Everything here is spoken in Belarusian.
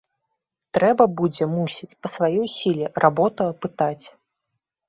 Трэба будзе, мусіць, па сваёй сіле работу апытаць.